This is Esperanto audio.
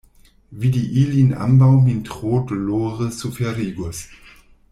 Vidi ilin ambaŭ min tro dolore suferigus.